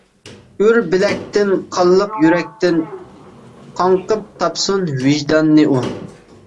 ئۇر بىلەكتىن قانلىق يۈرەكتىن، قاڭقىپ تاپسۇن ۋىجدانىنى ئۇ.